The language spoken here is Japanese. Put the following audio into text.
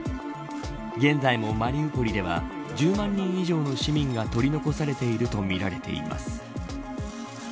現在もマリウポリでは１０万人以上の市民が取り残されているとみられています。